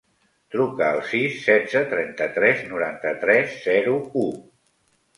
Truca al sis, setze, trenta-tres, noranta-tres, zero, u.